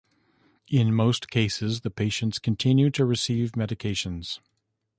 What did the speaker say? In most cases, the patients continue to receive medications.